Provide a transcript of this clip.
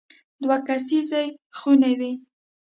دوه کسیزې خونې وې.